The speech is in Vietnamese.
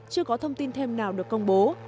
chưa có thông tin thêm nào được công bố